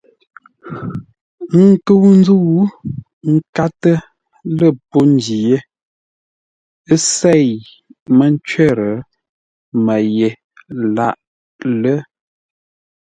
Ńkə́u ńzə́u ńkátə́ lə́ pô ndǐ yé, ə́ sêi mə́ ncwərə Mə́ ye lâʼ lə́.